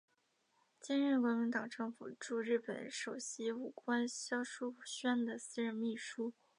兼任国民党政府驻日本首席武官肖叔宣的私人秘书。